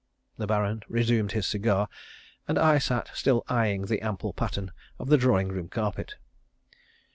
The Baron resumed his cigar, and I sat still eyeing the ample pattern of the drawing room carpet.